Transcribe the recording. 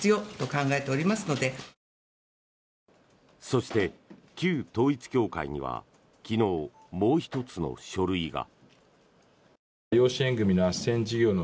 そして旧統一教会には昨日、もう１つの書類が。